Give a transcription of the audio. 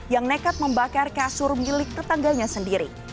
yang nekat membakar kasur milik tetangganya sendiri